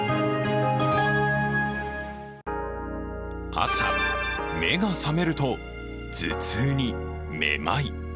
朝、目が覚めると頭痛に、めまい。